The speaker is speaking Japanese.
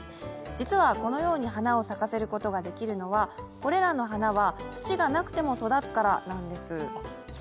実はこのように花を咲かせることができるのはこれらの花は土がなくても育つからなんです。